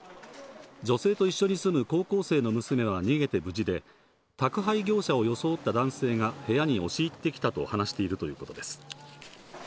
女性と一緒に住む高校生の娘は逃げて無事で、宅配業者を装った男性が部屋に押し行ってきたと話しているということです。